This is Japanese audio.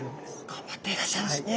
頑張っていらっしゃるんですね。